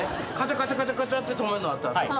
カチャカチャカチャって留めんのがあったんすよ。